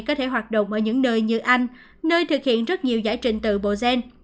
có thể hoạt động ở những nơi như anh nơi thực hiện rất nhiều giải trình từ bộ gen